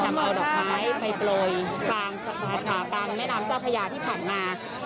ทำเอาดอกไม้ไปปล่อยจากลางขาจากเมืองแม่น้ำเจ้าคยาที่ผ่านมา